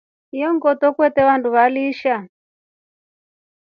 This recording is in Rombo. Iyo ngoto kuvetre vandu vatrisha.